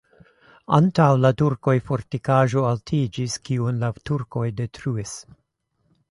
Antaŭ la turkoj fortikaĵo altiĝis, kiun la turkoj detruis.